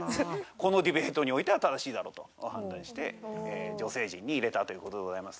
このディベートにおいては正しいだろうと判断して女性陣に入れたという事でございます。